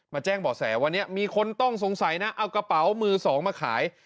แจ้งบ่อแสวันนี้มีคนต้องสงสัยนะเอากระเป๋ามือสองมาขาย